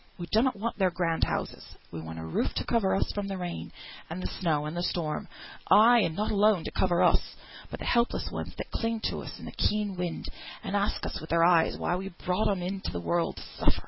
We donnot want their grand houses, we want a roof to cover us from the rain, and the snow, and the storm; ay, and not alone to cover us, but the helpless ones that cling to us in the keen wind, and ask us with their eyes why we brought 'em into th' world to suffer?"